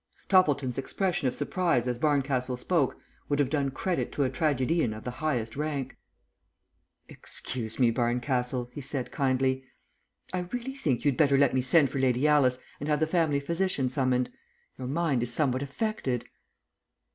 Toppleton's expression of surprise as Barncastle spoke would have done credit to a tragedian of the highest rank. "Excuse me, Barncastle," he said, kindly. "I really think you'd better let me send for Lady Alice and have the family physician summoned. Your mind is somewhat affected."